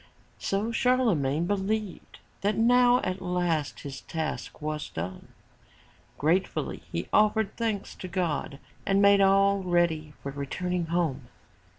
So Charlemagne believed that now at last his task was done. Gratefully he offered thanks to God and made all ready for returning home.